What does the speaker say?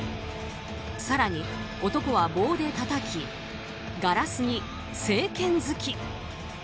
更に、男は棒でたたきガラスに正拳突き。